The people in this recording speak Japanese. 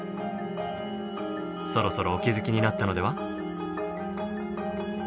そろそろお気付きになったのでは？